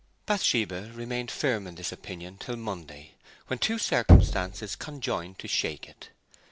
Bathsheba remained firm in this opinion till Monday, when two circumstances conjoined to shake it.